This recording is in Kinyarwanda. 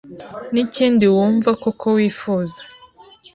n’ikindi wumva koko wifuza.